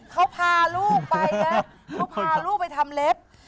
ขอนี่พ่าลูกไปเนี่ยที่เวียดเขาพาลูกไปทำเล็บ